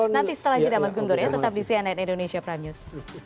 nanti setelah jeda mas guntur ya tetap di cnn indonesia prime news